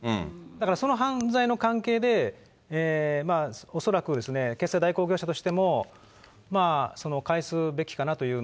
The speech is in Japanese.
だからその犯罪の関係で、恐らく決済代行業者としても、返すべきかなという。